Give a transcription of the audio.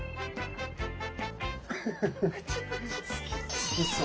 好きそう。